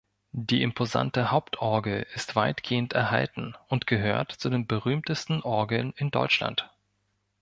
Die imposante Hauptorgel ist weitgehend erhalten und gehört zu den berühmtesten Orgeln in Deutschland.